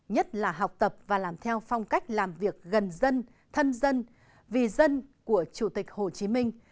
nhất là học tập và làm theo phong cách làm việc gần dân thân dân vì dân của chủ tịch hồ chí minh